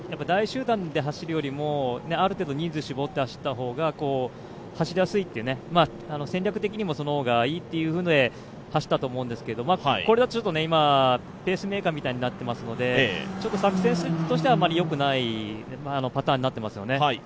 大集団で走るよりもある程度人数絞って走った方が走りやすいって、戦略的にもその方がいいというので走ったと思うんですけど、これだとペースメーカーみたいになっていますので、作戦としてはあまりよくないパターンになっていますよね。